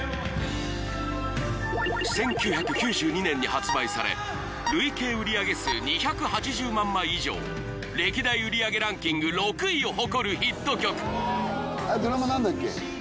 １９９２年に発売され累計売上数２８０万枚以上歴代売上ランキング６位を誇るヒット曲ドラマ何だっけ？